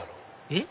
えっ？